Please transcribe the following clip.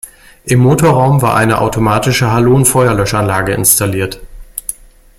Im Motorraum war eine automatische Halon-Feuerlöschanlage installiert.